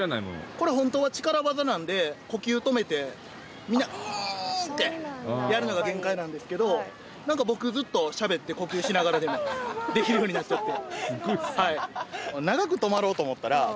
これ本当は力技なんで呼吸止めてみんな「んー！」ってやるのが限界なんですけどなんか僕ずっとしゃべって呼吸しながらでもできるようになっちゃって。